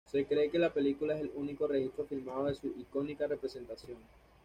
Se cree que la película es el único registro filmado de su icónica representación.